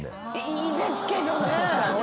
いいですけどねぇ。